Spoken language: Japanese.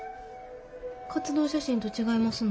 活動写真と違いますの？